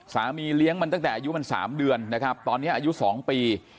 สามีเลี้ยงมันตั้งแต่อายุมันสามเดือนนะครับตอนเนี้ยอายุสองปี